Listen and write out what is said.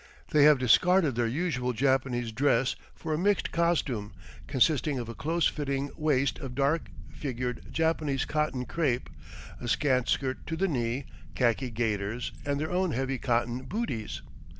They have discarded their usual Japanese dress for a mixed costume, consisting of a close fitting waist of dark, figured, Japanese cotton crêpe, a scant skirt to the knee, khaki gaiters, and their own heavy cotton "bootees."